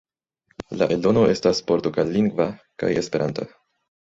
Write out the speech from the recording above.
La eldono estas portugallingva kaj esperanta.